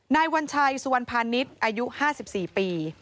นายวัญชัยสุวรรณพาณิชย์อายุ๕๔ปี